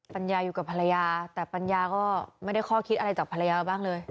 ปัญญาอยู่กับภรรยาแต่ปัญญาก็ไม่ได้ข้อคิดอะไรจากภรรยาบ้างเลย